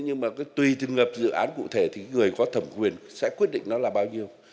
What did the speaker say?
nhưng mà tùy dự án cụ thể thì người có thẩm quyền sẽ quyết định nó là bao nhiêu